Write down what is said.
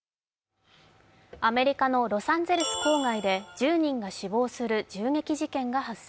アメリカのロサンゼルス郊外で１０人が死亡する銃撃事件が発生。